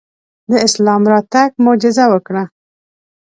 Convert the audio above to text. د اسلام راتګ معجزه وکړه.